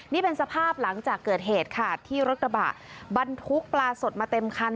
นี่เป็นสภาพหลังจากเกิดเหตุค่ะที่รถกระบะบรรทุกปลาสดมาเต็มคัน